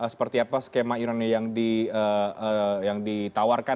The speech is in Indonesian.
seperti apa skema iurannya yang ditawarkan